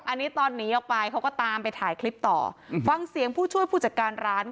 อันนี้ตอนหนีออกไปเขาก็ตามไปถ่ายคลิปต่ออืมฟังเสียงผู้ช่วยผู้จัดการร้านค่ะ